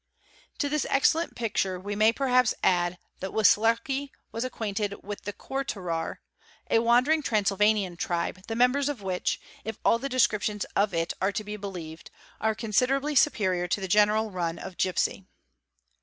— To this excellent picture we may perhaps add that Wlislockt was ~ acquainted with the '"' Kortorar'', a wandering Transylvanian tribe, the | members of which, if all the descriptions of it are to be believed, are © considerably superior to the general run of gipsy.